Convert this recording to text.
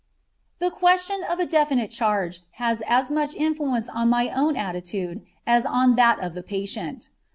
The question of a definite charge has as much influence on my own attitude as on that of the patient.